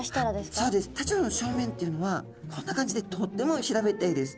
タチウオちゃんの正面っていうのはこんな感じでとっても平べったいです。